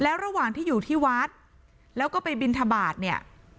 แล้วระหว่างที่อยู่ที่วัดแล้วก็ไปบินทบาทเนี่ย